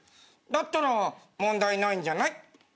「だったら問題ないんじゃない？」